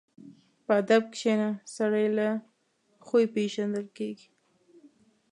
په ادب کښېنه، سړی له خوی پېژندل کېږي.